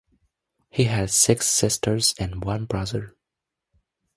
He had six sisters and one brother.